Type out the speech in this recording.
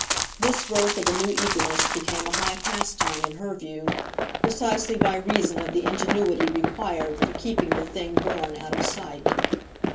This birth of a new eagerness became a high pastime, in her view, precisely by reason of the ingenuity required for keeping the thing born out of sight.